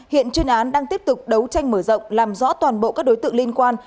hiện chuyên án đang tiếp tục đấu tranh mở rộng làm rõ toàn bộ các đối tượng liên quan